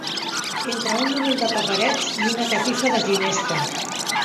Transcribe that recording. Entre un núvol de paperets i una catifa de ginesta